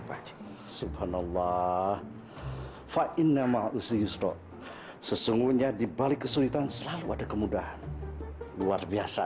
fajr subhanallah fa'innama usri yusro sesungguhnya dibalik kesulitan selalu ada kemudahan luar biasa